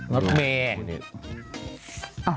นัดเมย์